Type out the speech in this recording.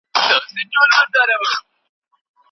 کور ته لمر پرېږده